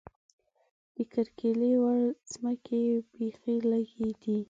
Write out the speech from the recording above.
د کرکیلې وړ ځمکې یې بېخې لږې دي.